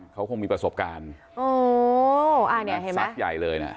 เขาคงมีประสบการณ์สักใหญ่เลยนะ